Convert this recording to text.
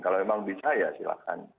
kalau memang bisa ya silahkan